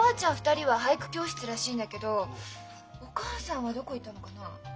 ２人は俳句教室らしいんだけどお母さんはどこ行ったのかなあ？